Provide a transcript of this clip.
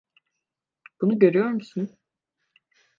Bunu görüyor musun?